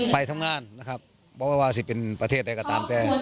ไปทำงานนะครับเพราะไม่ว่าจะเป็นประเทศใดก็ตามแต่